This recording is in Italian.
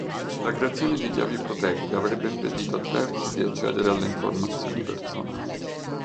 La creazione di chiavi protette avrebbe impedito a terzi di accedere alle informazioni personali.